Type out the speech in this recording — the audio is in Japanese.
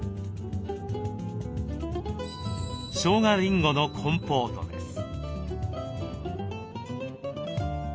しょうがりんごのコンポートです。